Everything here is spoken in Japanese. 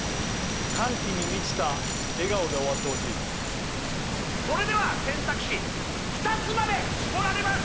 歓喜に満ちた笑顔で終わってほしいそれでは選択肢２つまで絞られます